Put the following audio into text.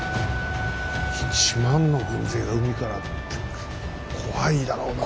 一万の軍勢が海からって怖いだろうなあ。